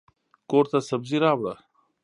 کورته سبزي راوړه.